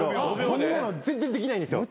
そんなの全然できないんですよ。